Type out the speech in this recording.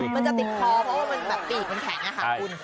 มันจะติดคอเพราะว่ามันแบบปีกมันแข็งอะค่ะคุณ